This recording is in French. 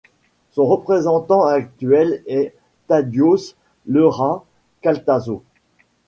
Son représentant actuel est Tadyos Lera Kaltaso.